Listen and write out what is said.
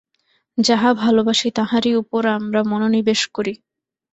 যাহা ভালবাসি, তাহারই উপর আমরা মনোনিবেশ করি।